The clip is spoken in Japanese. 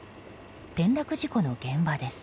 転落事故の現場です。